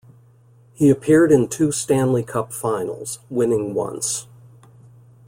He appeared in two Stanley Cup Finals, winning once.